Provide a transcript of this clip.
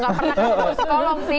gak pernah ke buskolong sih